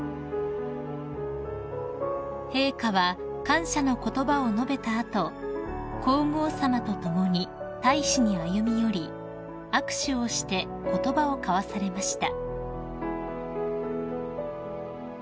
［陛下は感謝の言葉を述べた後皇后さまと共に大使に歩み寄り握手をして言葉を交わされました］